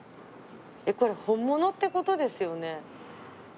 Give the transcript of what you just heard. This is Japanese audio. えっこれ本物ってことですよね？